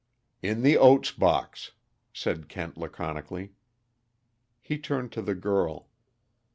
"In the oats box," said Kent laconically. He turned to the girl.